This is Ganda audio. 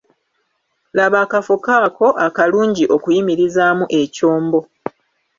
Laba akafo kaako akalungi okuyimirizaamu ekyombo.